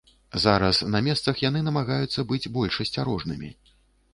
Зараз на месцах яны намагаюцца быць больш асцярожнымі.